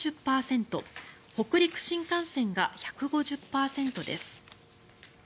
北陸新幹線が１５０％です。